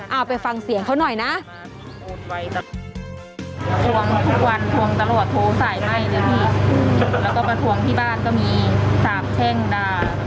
เอาไปฟังเสียงเขาหน่อยนะทวงทุกวันทวงตลอดโทรสายไหม้เนี่ยพี่แล้วก็มาทวงที่บ้านก็มีสามแช่งดา